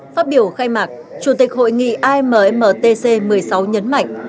phát biểu khai mạc chủ tịch hội nghị ammtc một mươi sáu nhấn mạnh